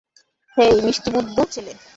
হেই, মিষ্টি বুদ্ধু ছেলে।